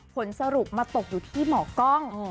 ผลสรุปมาตกอยู่ที่หมอกล้อง